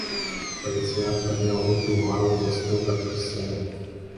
Паліцыянт падняў рукі ўгару і застыў так пры сцяне.